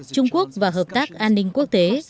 trung quốc và hợp tác an ninh quốc tế